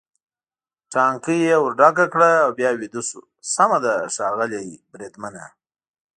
ټانکۍ یې ور ډکه کړه او بیا ویده شه، سمه ده ښاغلی بریدمنه.